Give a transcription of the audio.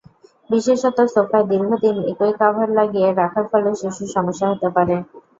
বিশেষত সোফায় দীর্ঘদিন একই কাভার লাগিয়ে রাখার ফলে শিশুর সমস্যা হতে পারে।